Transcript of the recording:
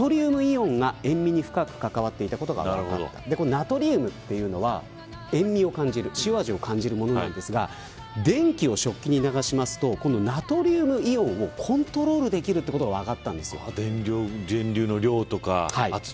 ナトリウムというのは塩味を感じるものなのですが電気を食器に流しますとナトリウムイオンをコントロールできることが分かりました。